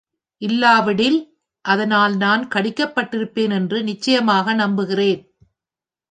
இல்லாவிடில் அதனால் நான் கடிக்கப்பட்டிருப்பேன் என்று நிச்சயமாய் நம்புகிறேன்.